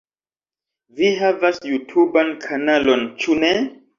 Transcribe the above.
Vi havas jutuban kanalon ĉu ne?